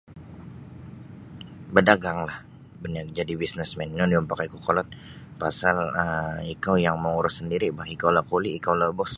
Badaganglah majadi bisnesmen ino nio yang mapakaiku kolod pasal um ikou yang mangurus sandiri' boh ikoulah kuli' ikoulah bos.